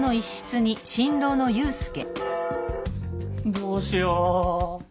どうしよう。